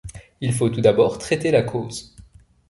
Il faut tout d'abord traiter la cause.